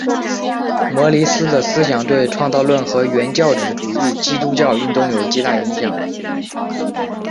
摩里斯的思想对创造论和原教旨主义基督教运动有巨大影响。